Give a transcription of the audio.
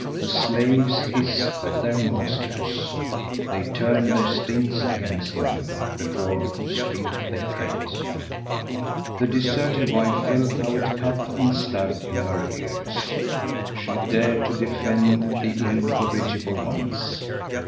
The slaves hissed at their masters. They turned their stings against them, before whose feet they crept. The deserted wife felt how it cut and stabbed in her ears. She dared to defend the incorrigible ones.